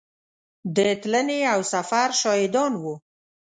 د تلنې او سفر شاهدان وو.